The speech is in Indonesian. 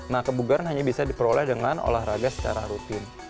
nah kebugaran hanya bisa diperoleh dengan olahraga secara rutin